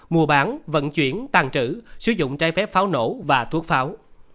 mua bán vận chuyển tàn trữ sử dụng trái phép pháo nổ và thuốc pháo